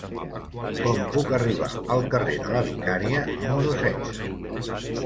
Com puc arribar al carrer de la Vicaria número setze?